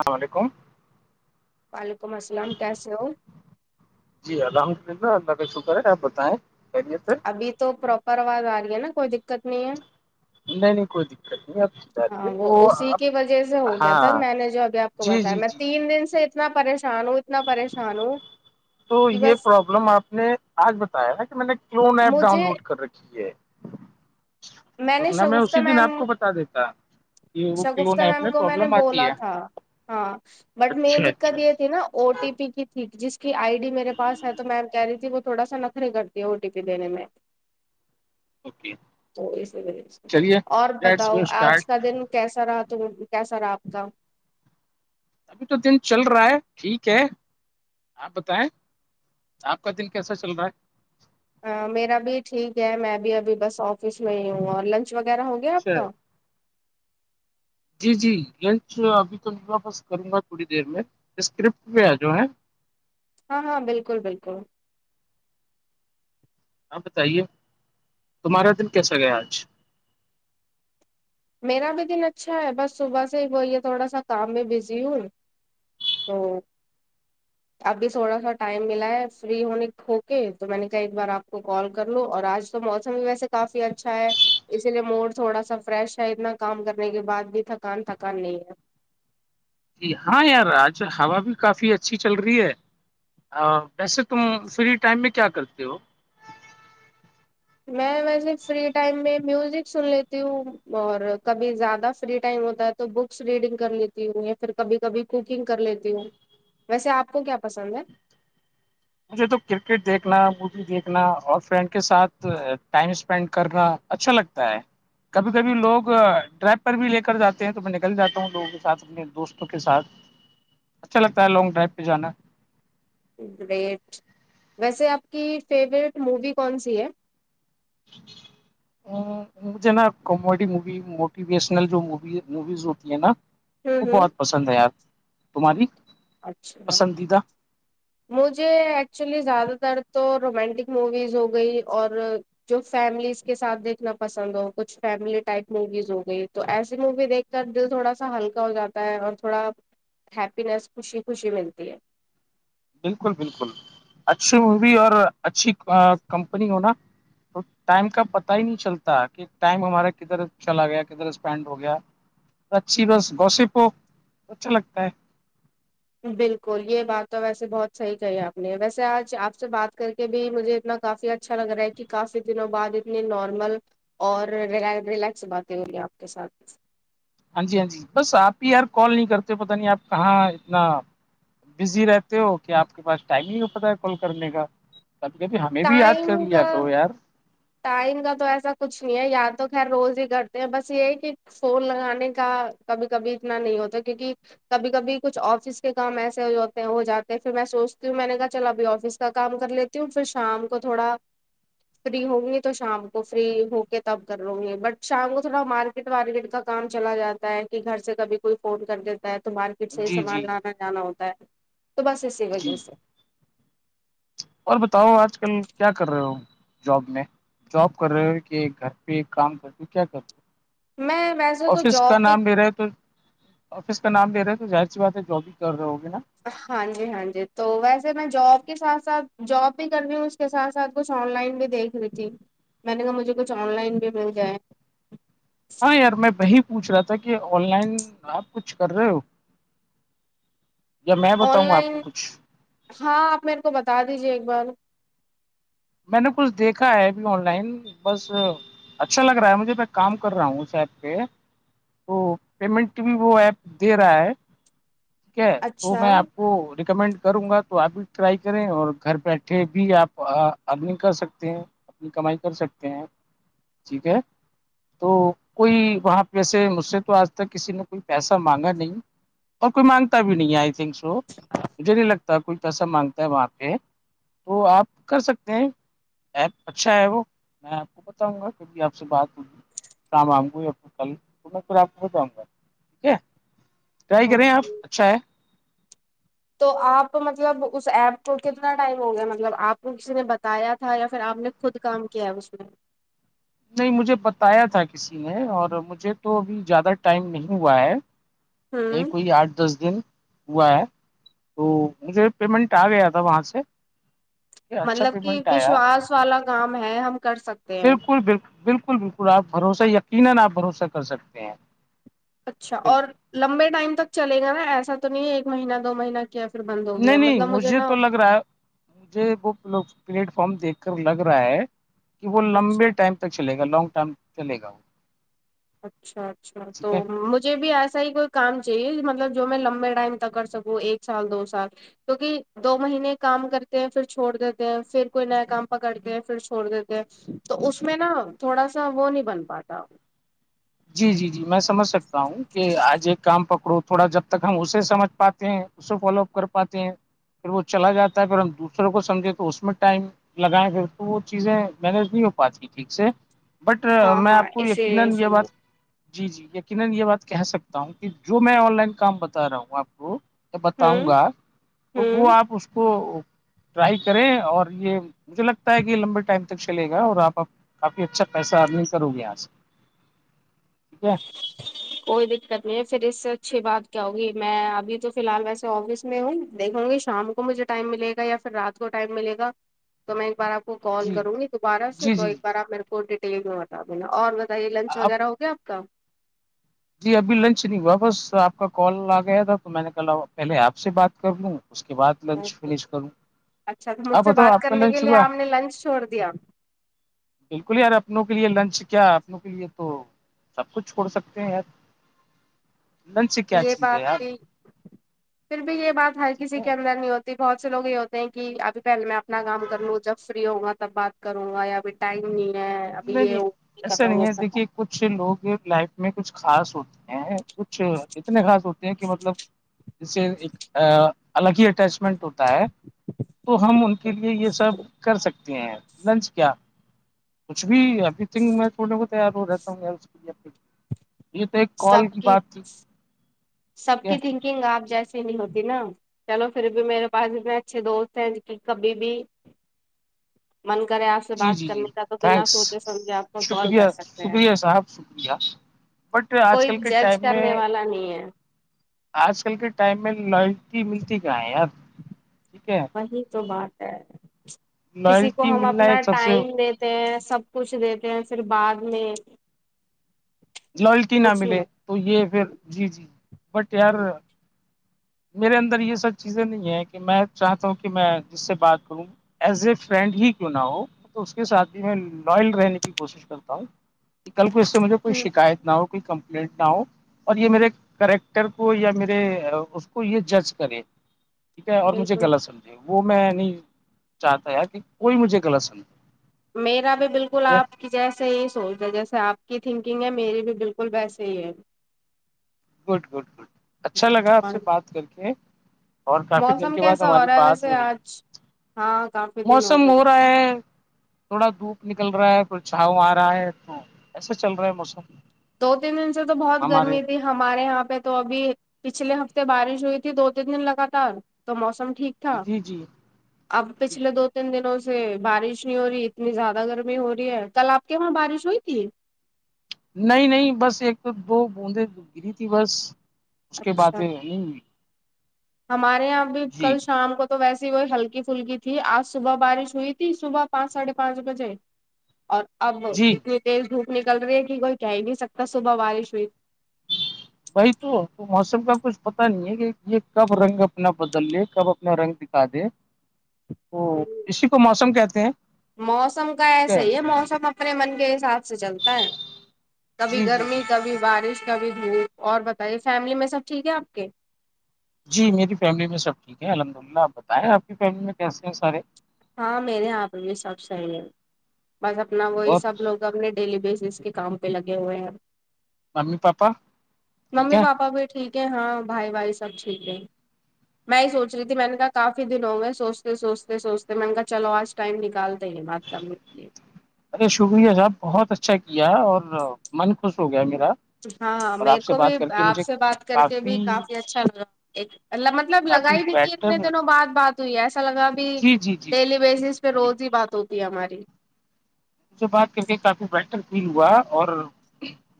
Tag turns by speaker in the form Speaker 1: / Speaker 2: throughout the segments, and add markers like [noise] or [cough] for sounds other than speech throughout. Speaker 1: اللام علیکم
Speaker 2: وعلیکم السلام کیسے ہو
Speaker 1: جی الحمد للہ اللہ کا شکر ہے آپ بتائیں خریت ہے
Speaker 2: ابھی تو پراپر آواز آ رہی ہے نا کوئی دقت نہیں ہے
Speaker 1: نہیں نہیں کوئی دقت نہیںپ
Speaker 2: ہاں وہ اسی کی وجہ سے ہو گیا تھا
Speaker 1: ہاں
Speaker 2: میں نے جو ابھی آپ کو
Speaker 1: جی
Speaker 2: بتایا
Speaker 1: جی
Speaker 2: میں
Speaker 1: جی
Speaker 2: تین دن سے اتنا پریشان ہوں اتنا پریشان ہوں
Speaker 1: تو
Speaker 2: کہ
Speaker 1: یہ
Speaker 2: بس
Speaker 1: پرابلم آپ نے آج بتایا تھا کہ میں نے کلون ایپ ڈاؤن
Speaker 2: مجھے
Speaker 1: لوڈ کر رکھی ہے
Speaker 2: نے
Speaker 1: ورنہ میں
Speaker 2: شگفتہ
Speaker 1: اسی دن
Speaker 2: میم
Speaker 1: آپ کو بتا دیتا کہ وہ کلون
Speaker 2: شگفتہ
Speaker 1: ایپ
Speaker 2: میم کو میں نے
Speaker 1: پرابلم آتی
Speaker 2: بولا
Speaker 1: ہے
Speaker 2: تھا ہاں بٹ مین
Speaker 1: اچھا
Speaker 2: دقت
Speaker 1: اچھا
Speaker 2: یہ تھی نا او ٹی پی کی ٹھیک جس کی آئی ڈی میرے پاس ہے تو میم کہہ رہی تھی وہ تھوڑا سا نخریے کرتی ہے او ٹی پی دینے میں
Speaker 1: اوکے
Speaker 2: تو اسی وجہ سے
Speaker 1: چلیے
Speaker 2: اور
Speaker 1: لیٹس
Speaker 2: بتاؤ
Speaker 1: گو
Speaker 2: آج
Speaker 1: اسٹارٹ
Speaker 2: کا دن کیسا رہا تو کیسا رہا آپ کا
Speaker 1: ابھی تو دن چل رہا ہے ٹھیک ہے آپ بتائیں آپ کا دن کیسا چل رہا ہے
Speaker 2: میرا بھی ٹھیک ہے میں بھی ابھی بس آفس میں ہی ہوں اور لنچ وغیرہ ہو گیا آپ
Speaker 1: اچھا
Speaker 2: کا
Speaker 1: جی جی لنچ ابھی تو لگا بس کروں گا تھوڑی دیر میں اسکرپٹ پہ آ جا ہے
Speaker 2: ہاں ہاں بالکل بالکل
Speaker 1: آپ بتائیے تمہارا دن کیسا گیا آج
Speaker 2: میرا بھی دن اچھا ہے بس صبح سے ہی وہ یہ تھوڑا سا کام میں بزی ہوں تو ابھی تھوڑا سا ٹائم ملا ہے فری ہونے ہو کے تو میں نے کہا ایک بار آپ کو کال کر لو اور آج تو موسم بھی ویسے کافی اچھا ہے اسی لیے موڈ تھوڑا سا فریش شاہ اتنا کام کرنے کے بعد بھی تھکان تھکان نہیں ہے
Speaker 1: جی ہاں یار آج ہوا بھی کافی اچھی چل رہی ہے ویسے تم فری ٹائم میں کیا کرتے ہو
Speaker 2: میں ویسے فری ٹائم میں میوزک سن لیتی ہوں اور کبھی زیادہ فری ٹائم ہوتا تو بکس ریڈنگ کر لیتی ہوں یا پھر کبھی کبھی کوکنگ کر لیتی ہوں ویسے آپ کو کیا پسند ہے
Speaker 1: مجھے تو کرکٹ دیکھنا مووی دیکھنا اور فرینڈ کے ساتھ ٹائم اسین کرنا اچھا لگتا ہے کبھی کبھی لوگ ڈرریب پر بھی لے کر جاتے ہیں تو میں نکل جاتا ہوں لوگوں کے ساتھ اپنے دوستوں کے ساتھ
Speaker 2: [inaudible]
Speaker 1: چلتا ہے لانگ ڈرائی پہ جانا
Speaker 2: گریٹ ویسے آپ کی فیوروریٹ مووی کون سی ہے [inaudible]
Speaker 1: مجھے نا کامیڈی مووی موٹیویشنل جو می موویز ہوتی ہے نا
Speaker 2: ہوں
Speaker 1: وہ
Speaker 2: ہوں
Speaker 1: بہت پسند ہے یار تمہاری
Speaker 2: اچھا
Speaker 1: پسندیدہ
Speaker 2: مجھے ایکچولی زیادہ تر تو رومانٹک موویز ہو گئی اور جو فیملیز کے ساتھ دیکھنا پسند ہو کچھ فیملی ٹائپ موویز ہو گئی تو ایسی مووی دیکھ کا دل تھوڑا سا ہلکا ہو جاتا ہے اور تھوڑا ہیپینس خوشی خوشی ملتی ہے
Speaker 1: بالکل بالکل اچھی مووی اور اچھی کمپنی ہوناا تو ٹائم کا پتا ہی نہیں چلتا کہ ٹائم ہمارا کدھر چلا گیا کدھر اسپینڈ ہو گیا اچھی بس گوسپ اچھا لگتا ہے
Speaker 2: بالکل یہ بات تو ویسے بہت صحیح کہی آپ نے ویسے آج آپ سے بات کر کے بھی مجھے اتنا کافی اچھا اچھا لگ رہا ہے کہ کافی دنوں بعد اتنی نارمل اور ریلیکس باتیں ہو گی آپ کے ساتھ
Speaker 1: ہاں جی ہاں جی بس آپ ہی یار کال نہیں کرتے پت نہیں آپ کہاں اتنا بزی رہتے ہو کیا آپ کے پاس ٹائم نہیں ہو پتا ہے کال کرنے کا کبھی کبھی ہمیں بھی یاد
Speaker 2: ٹائم
Speaker 1: کر
Speaker 2: کا
Speaker 1: لیا کرو یار
Speaker 2: ٹائم کا تو ایسا کچھ نہیں ہے یاار تو خیر روز ہی کرتے ہیں بس یہی کہ فون لگانے کا کبھی کبھی اتنا نہیں ہوتا کیونک کبھی کبھی کچھ آفس کے کام ایسے ہوتے ہیں وہ جاتے ہیں پھر میں سوچتی ہوں میں نے کہا چل ابھی آفس کا کام کر لیتی ہوں پھر شام کو تھوڑا فری ہوں گی تو شام کو فری ہو کے تب کر لوں گی بٹ شام کو تھوڑا مار ٹ کا کام چلا جاتا ہے کہ گھر سے کبھی کوئی فون کرتے تو مارکیٹ سے ہی
Speaker 1: جی جی
Speaker 2: سامان لانا جانا ہوتا ہے تو بس اسی وجہ
Speaker 1: جی
Speaker 2: سے
Speaker 1: اور بتاؤ آج کل کیا کر رہے ہو جاب میں جاب کر رہے ہو کہ گھر پہ ایک کام کرتی کیا کر
Speaker 2: میں ویسے تو
Speaker 1: آفس کا
Speaker 2: جاب
Speaker 1: نام بھی رہے تو آفس کا نام لے رہے ہیں تو اہر سی بات ہے جو بھی کر رہے ہوگے نا
Speaker 2: ہاں جی ہاں جی تو ویسے میں جاب کے ساتھ ساتھ جاب بھی کر رہی ہوں اس اس کے سھ ساتھ کچھ آن لائن بھی دیکھ رہی تھی میں نے کہا مجھے کچھ آن لائن بھی مل جائے
Speaker 1: ہاں یار میں وہی پوچھ رہا تھا کہ آن لائن آپ کچھ کر رہے ہو میں
Speaker 2: آن
Speaker 1: بتاؤں آپ کو
Speaker 2: لائن
Speaker 1: کچھ
Speaker 2: ہاں آپ میرے کو بتا دیجیے ایک بار
Speaker 1: میں نے کچھ دیکھا ہے اب آن لائن بس اچھا لگ رہا ہے مجھے میں کام کر رہا ہوں شاب کے تو پیمنٹ بھی وہ ایپ دے رہا ہے ٹھیک ہے تو
Speaker 2: اچھا
Speaker 1: میں آپ کو ریکمینڈ کروں گا تو آپ بھی ٹرائی کریں اور گھر بیٹھے بھی آپ اپ نہیں کر سکتے ہیں اپنی کمائی کر سکتے ہیں ٹھیک ہے تو کوئی وہاں پہ سے مجھ سے تو آج تک کسی نے کوئی پیسہ مانگا نہیں اور کوئی مانگتا بھی نہیں ہے آئی تھنک سو مجھے نہیں لگتا کوئی پیسہ مانگتا ہے وہاں پہ تو آپ کر سکتے ایپ اچھا ہے وہ میں آپ کو بتاؤں گا کبھی آپ سے بات ہوی شام آں گ یا پھر کل پور پھر آپ کو ہو جاؤں گا ٹھیک ہے ٹرائی کریں آپ
Speaker 2: اوکے
Speaker 1: اچھا ہے
Speaker 2: تو آپ مطلب اس ایپ کو کتنا ٹائم ہو گیا مطلب آپ کو کسی نے ب بتایا تھا یا پھر آپ نے خود کام کیا اس میں
Speaker 1: نہیں مجھے بتایا تھا کسی نے اور مجھے تو ابھی زیادہ ٹائم نہیں ہوا ہے یہی
Speaker 2: ہوں
Speaker 1: کوئی آٹھ دس دن ہوا ہے تو مجھے پیمنٹ آ گیا تھا وہاں سے کہ اچھا
Speaker 2: مطلب کہ
Speaker 1: پیمنٹ آیا
Speaker 2: وشواس والا کام ہے ہم کر سکتے ہیں
Speaker 1: بالکل بالکل بالکل بالکل بھروسے یقینا اپ بھروسہ کر سکتے ہیں
Speaker 2: اچھا اور
Speaker 1: بالکل
Speaker 2: لمبے ٹائم تک چلے گا نا ایسا تو نہیں ہے ایک مہینہ دو مہینہ کی اب
Speaker 1: نہیں نہیں مجھے تو لگ رہا ہے مجھے وہ پلیٹ فارم دیکھ کر لگ رہا ہے کہ وہ
Speaker 2: اچھا
Speaker 1: لمبے ٹائم تک چل گا لانگ ٹرم چلے گا
Speaker 2: اچھا اچھا تو
Speaker 1: ٹھیک ہے
Speaker 2: مجھے بھی ایسا ہی کوئی کام چاہیے مطلب جو میں لمبے ٹائم تک کر سکوں ایک سال دو سال کیونکہ دو مہینے کام کرتے ہیں پھر چھوڑ دیتے ہیں پھر کوئی نیا کام پکڑتے ہیں پھر چھوڑ دیتے ہیں تو اس میں نا تھوڑا سا وہ نہیں بن پاتا
Speaker 1: جی جی جی میں سمجھ سکتا ہوں کہ آج ایک کام پکڑو تھوڑا جب تک ہم اسے سمجھ پاتے ہیں اسے فالو اپ کر پاتے ہیں پھر وہ چلا جاتا ہے پھر ہم دوسروں کو سمجھے تو اس میں ٹائم لگائیں گھر تو وہ چیزیں مینج نہیں ہو پاتی ٹھیک سے بٹ
Speaker 2: ہاں
Speaker 1: میں
Speaker 2: ہاں
Speaker 1: اپ کو
Speaker 2: اسی
Speaker 1: یقینا
Speaker 2: لیے اسی
Speaker 1: یہ
Speaker 2: لیے
Speaker 1: بات جی جی یقینا یہ بات کہہ سکتا ہوں کہ جو میں ان لائن کام بتا رہا ہوں اپ کو بتاؤں
Speaker 2: ہوں
Speaker 1: گا تو وہ
Speaker 2: ہوں
Speaker 1: آپ اس کو ٹرائی کریں اور یہ مجھے لگتا ہے کہ لمبے ٹائم تک چلے گا اور آپ کافی اچھا پیسہ ارنگ کرو گی یہاں سے ٹھیک ہے [unintelligible]
Speaker 2: کوئی دقت نہیں ہے پھر اس سے اچھی بات کیا ہوگی میں ابھی تو فی الحال ویسے آفس میں ہوں دیکھوں گی شام کو مجھے ٹائم ملے گا یا پھر رات کو ٹائم ملےا تو میں ایک بار آپ کو کال
Speaker 1: جی
Speaker 2: کروں گی دوبارہ سے
Speaker 1: جی
Speaker 2: تو
Speaker 1: جی جی
Speaker 2: ایک بار آپ میرے کو ڈیٹیل میں بتا دینا اور کہی لنچ
Speaker 1: آپ
Speaker 2: وغیرہ ہو گیا آپ کا
Speaker 1: جی ابھی لنچ نہیں ہوا بس آپ کا کال آ گیا تھا تو میں نے کہا پہلے آپ سے بات کر لوں اس کے بعد لنچ فش کروں
Speaker 2: اچھا تو مجھ
Speaker 1: آپ
Speaker 2: سے
Speaker 1: بتاؤ
Speaker 2: بات
Speaker 1: آپ کا
Speaker 2: کرنے کے
Speaker 1: لنچ
Speaker 2: لیے
Speaker 1: ہوا
Speaker 2: آپ نے لنچ چھوڑ دیا
Speaker 1: بالکل یار اپنوں کے لیے لنچ کیا اپنوں کے لیے تو سب کچھ چھوڑ سکتے ہیں یار لنچ سے کیا
Speaker 2: یہ
Speaker 1: چیز ہے
Speaker 2: بات
Speaker 1: یار
Speaker 2: بھی پھر بھی یہ بات ہر
Speaker 1: ٹھیک
Speaker 2: کسی
Speaker 1: ہے
Speaker 2: کے اندر نہیں ہوتی بہت سے لو یہ ہوتے ہیں کہ ابھی پہلے میں اپنا کام کر لوں جب فری ہوں گا تب بات کروں گا یا پھر ٹائم نہیں ہے ابھی
Speaker 1: نہیں
Speaker 2: یہ
Speaker 1: نہیں
Speaker 2: کا
Speaker 1: ایسا نہیں ہے
Speaker 2: سک
Speaker 1: دیکھیے کچھ لوگ لائف میں کچھ خاص ہوتے ہیں کچھ اتنے خاص ہوتے ہیں کہ مطلب اس سے ایک الگ ہی اٹیچ منٹ ہوتا ہے تو ہم ان کے لیے یہ سب کر سکتے ہیں لنچ کیا کچھ بھی ابری تھنک میں تھوڑے کو تیار ہو رہتا ہوں کےے یہ تو ایک کال کی بات تھی
Speaker 2: سب
Speaker 1: ٹھیک
Speaker 2: کی
Speaker 1: ہے
Speaker 2: تھنکنگ آپ جیسی نہیں ہوتی نا چلو پھر بھی میرے پاس اتنے اچھے دوست ہیں ج کی کبھی بھی من کرے آپ سے
Speaker 1: جی
Speaker 2: بات
Speaker 1: جی جی
Speaker 2: کرنے کا تو بنا
Speaker 1: تھینکس
Speaker 2: سوچے سمجھے آپ کو کال
Speaker 1: شکریہ
Speaker 2: کر سکتے ہیں
Speaker 1: شکریہ صاحب شکریہ بٹ آج
Speaker 2: کوئی
Speaker 1: کل کے
Speaker 2: جج
Speaker 1: ٹائم میں
Speaker 2: کرنے والا نہیں ہے
Speaker 1: آج کل کے ٹائم میں لوائلٹی ملتی کہ ہے یار ٹھیک ہے یار
Speaker 2: وہی تو بات ہے کسی کو
Speaker 1: لائلٹی
Speaker 2: ہم
Speaker 1: ملنا
Speaker 2: اپنا
Speaker 1: ایک سب سے
Speaker 2: ٹائم سب کچھ دیتے ہیں پھر بعد میں
Speaker 1: لائلٹی نہ
Speaker 2: کچھ نہیں
Speaker 1: ملے
Speaker 2: ہوتا۔
Speaker 1: تو یہ پھر جی جی بٹ یار میرے اندر یہ سب چیزیں نہیں ہیں کہ میں چاہتا ہوں کہ میں جس سے بات کروں ایز اے فرینڈ ہی کیوں نہ ہو تو اس کے ساتھ بھی میں لوائل رہنے کی کوشش کرتا ہوں کل کو اس سے مجھے کوئی شکایت نہ ہو کوئی کمپلینٹ نہ ہو اور یہ میرے کریکٹر کو یا میرے اس کو یہ جج کرے ٹھیک ہے اور مجھے
Speaker 2: بالکل
Speaker 1: غلط سمجھے وہ میں نہیں چاہتا ی کہ کوئی مجھے غلط سمجھے
Speaker 2: میرا بھی بالکل
Speaker 1: ٹھیک ہے
Speaker 2: آپ کہ جیسے ہی سوچ رہ جیسے آپ کی تھنکنگ ہے میری بھی بالکل ویسے ہی ہے
Speaker 1: گڈ گڈ گڈ اچھا لگا آپ
Speaker 2: اور
Speaker 1: سے بات کر کے اور کافی دن
Speaker 2: موسم
Speaker 1: کے بعد
Speaker 2: کیسا
Speaker 1: ہماری
Speaker 2: رہا ہے
Speaker 1: بات
Speaker 2: ویسے
Speaker 1: ہو رہی ہے
Speaker 2: آج ہاں ک
Speaker 1: موسم ہو رہا ہے تھوڑا دھوپ نکل رہا ہے پھر چھاؤ آ رہا ہے تو ایسا چل رہا ہے موسم
Speaker 2: دو تین دن سے تو بہت
Speaker 1: ہمارے
Speaker 2: گرمی
Speaker 1: یہاں۔
Speaker 2: تھی ہمارے یہاں پہ تو ابھی پچھلے ہفتے بارش ہوئی تھی دو تین دن لگاتار تو موسم ٹھیک
Speaker 1: جی جی
Speaker 2: [unintelligible] اب
Speaker 1: جی
Speaker 2: پچھلے دو تین دنوں سے بارش نہیں ہو رہی اتنی زیادہ گرمی ہو رہی ہے کل آپ کی ہماں بارش ہوئیتی
Speaker 1: نہیں نہیں بس ایک تو دو بوندیں گری تھی بس اس کے بعد
Speaker 2: اچھا
Speaker 1: نہیں ہوئی
Speaker 2: ہمارے یہاں ا بھی
Speaker 1: جی
Speaker 2: کل شام کو تو ویسی وہی ہلکی پھلکی تھی آج صبح بارش ہوئی تھی صبح پانچ ساڑھے پانچ بجے اور اب
Speaker 1: جی
Speaker 2: اتنی تیز دھوپ نکل رہی ہے کہ کوئی کہہ ہی نہیں سکتا صبح بارش ہوئی
Speaker 1: بھائی تو تو موسم کا کچھ پتا نہیں ہے کہ یہ کب رنگ اپنا بدل لے کب اپنا رنگ دکھا دے
Speaker 2: [inaudible]
Speaker 1: اسی کو موسم کہتے ہیں
Speaker 2: موسم کا ایسا ہی ہے موسم اپنے من کے حساب سے چلتا ہے کبھی
Speaker 1: جی جی
Speaker 2: گرمی
Speaker 1: جی
Speaker 2: کبھی بارش کبھی دھوپ اور بتائیے فیملی میں سب ٹھیک ہے آپ کے
Speaker 1: جی میری فیملی میں سب ٹھیک ہے الحمد للہ آپ بتائیں آپ کی فیملی میں کیسے ہیں سارے
Speaker 2: ہاں میرے یہاں پہ بھی سب صحیح ہے بس اپنا وہی
Speaker 1: اور
Speaker 2: سب لوگ س اپنے ڈیلی بیسس کے کام پہ لگے ہوئے ہیں
Speaker 1: ممی پاپا ٹھیک
Speaker 2: ممی
Speaker 1: ہے
Speaker 2: پاپا بھی ٹھیک ہے ہاں بھائی بھائی سب ٹھیک ہے میں سوچ رہی تھی میں نے کہا کافی دنوں گئے سوچتے سوچتے سوچتے تو میں نے کہا چلو آج ٹائم نکالتے ہیں بات کرنے کے لیے
Speaker 1: ارے شکریہ صاحب بہت اچھا کیا اور من خوش ہو گیا میرا
Speaker 2: ہاں
Speaker 1: اور
Speaker 2: میرے
Speaker 1: آپ سے
Speaker 2: کو بھی
Speaker 1: بات کر کے
Speaker 2: آپ
Speaker 1: مجھے
Speaker 2: سے بات کر کے بھی کافی اچھا لگا ایک مطلب لگ
Speaker 1: کافی
Speaker 2: ہی دھی
Speaker 1: بیٹر
Speaker 2: اتنے دنوں بعد بع تو یہ ایسا لگا اب
Speaker 1: جی جی جی
Speaker 2: ڈیلی بیسس پہ
Speaker 1: جی
Speaker 2: روز ہی بات ہوتی ہے ہماری
Speaker 1: اس سے بات کر کے کافی بٹر فیل ہوا اور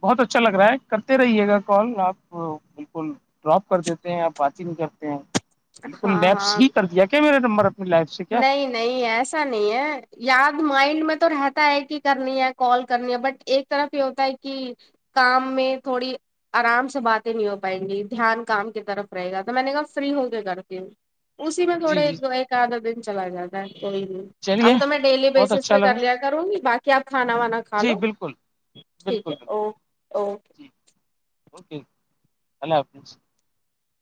Speaker 1: بہت اچھا لگ رہا ہے کرتے رہیے گا کال آپ بالکل ڈراپ کر دیتے ہیں آپ باتگ کرتے ہیں بالکل
Speaker 2: ہاں
Speaker 1: لیبس
Speaker 2: ہاں
Speaker 1: ہی کر دیا کیا میرا نمبر اپنی لائف سے کیا
Speaker 2: نہیں نہیں ایسا نہیں ہے یاد مائنڈ میں تو رہتا ہے کہ کرنی ہے کال کرنی ہے بٹ ایک طرف یہ ہوتا ہے کہ کام میں تھوڑی آرام سے باتیں نہیں ہو پائیں گی دھیان کام کی طرف رہے گا تو میں نے کہا فری ہو کرتی ہوں اسی میں تھوڑے
Speaker 1: جی جی
Speaker 2: ایک آدھا دن چلا جاتا ہے کوئی نہیں
Speaker 1: چلیے
Speaker 2: اب تو میں ڈیلی
Speaker 1: بہت
Speaker 2: بیسس
Speaker 1: اچھا
Speaker 2: پہ کر
Speaker 1: لگا
Speaker 2: لیا کروں گی باقی آپ کھانا وانا کھا
Speaker 1: جی
Speaker 2: لو
Speaker 1: بالکل
Speaker 2: ٹھیک
Speaker 1: بالکل
Speaker 2: ہے
Speaker 1: بالکل
Speaker 2: اوک اوکے
Speaker 1: جی اوکے ال آ